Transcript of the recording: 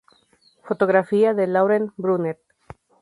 Fotografía de Laurent Brunet.